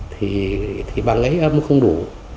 thì bằng ấy âm không đủ